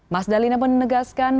mas dalina menegaskan